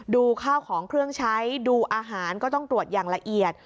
ดูข้าวของเครื่องใช้ดูอาหารก็ต้องตรวจอย่างละเอียด